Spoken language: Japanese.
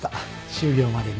終業までに。